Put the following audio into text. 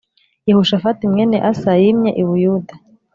Yehoshafati mwene Asa yimye i Buyuda